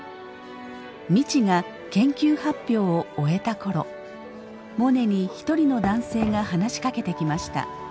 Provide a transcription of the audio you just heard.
未知が研究発表を終えた頃モネに一人の男性が話しかけてきました。